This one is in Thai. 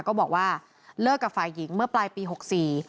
ก็บอกว่าเลิกกับฝ่ายหญิงเมื่อปลายปีหกสี่